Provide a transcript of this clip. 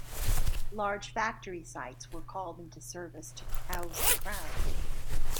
Large factory sites were called into service to house the crowd.